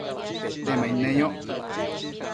Petemaid neyoc